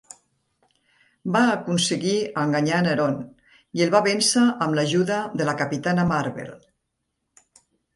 Va aconseguir enganyar Neron i el va vèncer amb l'ajuda de la Capitana Marvel.